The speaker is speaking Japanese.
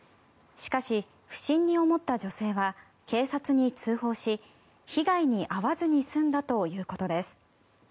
しかし、不審に思った女性は警察に通報し被害に遭わずに済んだということです。